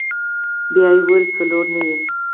بيا يې وويل څلور نوي.